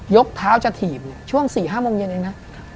กเท้าจะถีบช่วง๔๕โมงเย็นเองนะ